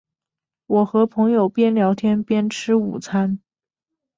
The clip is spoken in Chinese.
我和朋友边聊天边吃午餐